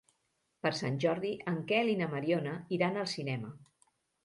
Per Sant Jordi en Quel i na Mariona iran al cinema.